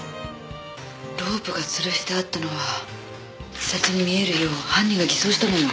ロープが吊るしてあったのは自殺に見えるよう犯人が偽装したのよ。